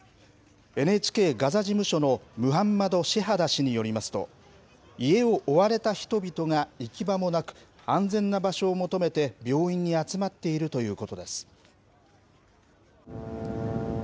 ＮＨＫガザ事務所のムハンマド・シェハダ氏によりますと、家を追われた人々が行き場もなく、安全な場所を求めて、病院に集まっているということです。